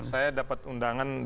saya dapat undangan